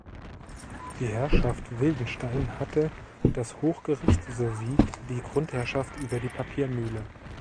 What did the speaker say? Die Herrschaft Wildenstein hatte das Hochgericht sowie die Grundherrschaft über die Papiermühle.